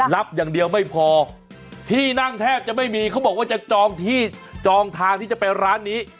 รับอย่างเดียวไม่พอที่นั่งแทบจะไม่มีเขาบอกว่าจะจองที่จองทางที่จะไปร้านนี้